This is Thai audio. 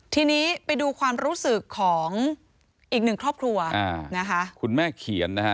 ทีนี้ไปดูความรู้สึกของอีกหนึ่งครอบครัวนะคะ